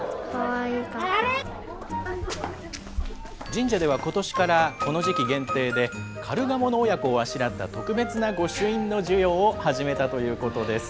神社ではことしから、この時期限定でカルガモの親子をあしらった、特別な御朱印の授与を始めたということです。